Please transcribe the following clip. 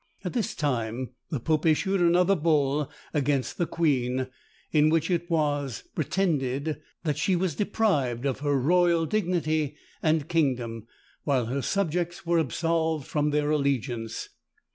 At this time the pope issued another bull against the queen, in which it was pretended that she was deprived of her royal dignity and kingdom, while her subjects were absolved from their allegiance.